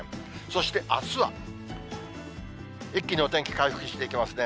そしてあすは、一気にお天気回復していきますね。